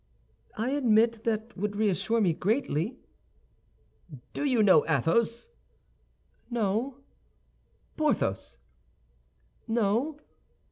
"I admit that would reassure me greatly." "Do you know Athos?" "No." "Porthos?" "No."